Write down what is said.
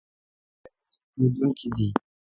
زیرمې ختمېدونکې دي.